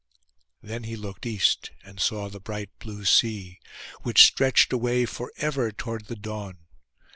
Then he looked east and saw the bright blue sea, which stretched away for ever toward the dawn.